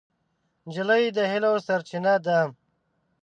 نجلۍ د هیلو سرچینه ده.